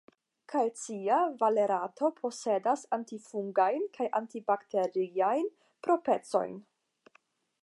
Kalcia valerato posedas antifungajn kaj antibakteriajn proprecojn.